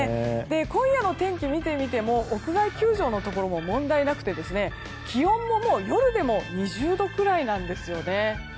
今夜の天気を見てみても屋外球場のところも問題なくて気温も夜でも２０度ぐらいなんですね。